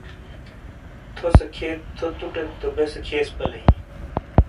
تھو سے کھیئت ،تھو توٹیت تو بے سے کھیس پلی ہی۔